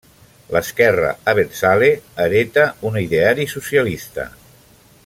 L'esquerra abertzale hereta un ideari socialista.